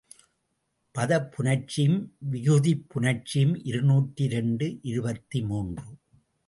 பதப் புணர்ச்சியும் விகுதிப் புணர்ச்சியும் இருநூற்று இரண்டு இருபத்து மூன்று.